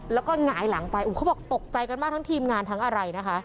แล้วก็หงายหลังไปเขาบอกตกใจกันมากทั้งทีมงานทั้งอะไรนะคะ